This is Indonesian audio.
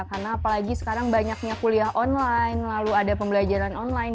karena apalagi sekarang banyaknya kuliah online lalu ada pembelajaran online